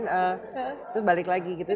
terus balik lagi gitu